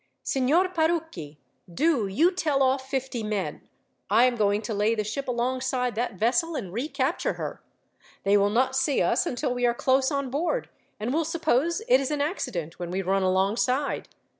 "Signor Parucchi, do you tell off fifty men. I am going to lay the ship alongside that vessel, and recapture her. They will not see us until we are close on board, and will suppose it is an accident when we run alongside.